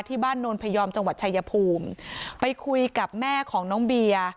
โนนพยอมจังหวัดชายภูมิไปคุยกับแม่ของน้องเบียร์